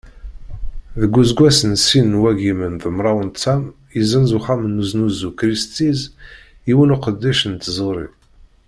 Deg useggas n sin n wagimen d mraw n ṭam, issenz uxxam n uznuzu Christie’s yiwen n uqeddic n tẓuri.